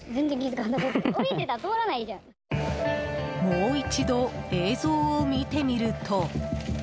もう一度映像を見てみると。